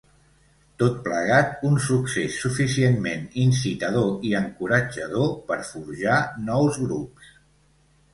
Tot plegat un succés suficientment incitador i encoratjador per forjar nous grups.